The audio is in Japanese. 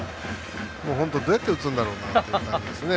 本当、どうやって打つんだろうなって感じですね。